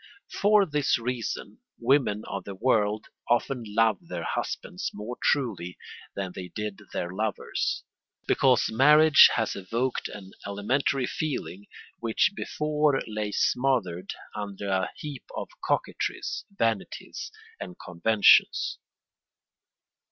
For this reason women of the world often love their husbands more truly than they did their lovers, because marriage has evoked an elementary feeling which before lay smothered under a heap of coquetries, vanities, and conventions.